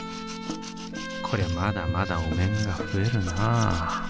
こりゃまだまだお面が増えるな。